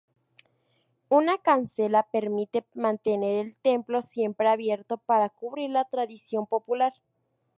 Una cancela permite mantener el templo siempre abierto para cumplir la tradición popular.